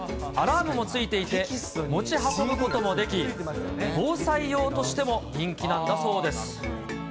アラームもついていて、持ち運ぶこともでき、防災用としても人気なんだそうです。